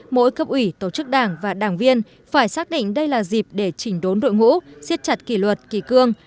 mỗi cấp ủy tổ chức đảng và đảng viên phải xác định đây là dịp để chỉnh đốn đội ngũ xiết chặt kỷ luật kỳ cương